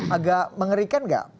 agak mengerikan gak